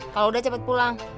kalau udah cepet pulang